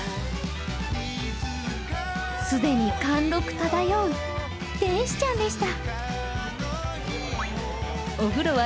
既に貫禄漂う天使ちゃんでした。